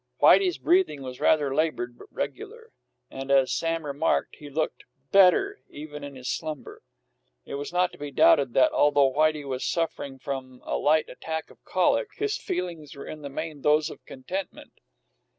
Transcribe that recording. Whitey's breathing was rather labored but regular, and, as Sam remarked, he looked "better," even in his slumber. It is not to be doubted that, although Whitey was suffering from a light attack of colic, his feelings were in the main those of contentment.